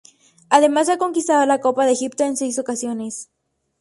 Además ha conquistado la Copa de Egipto en seis ocasiones.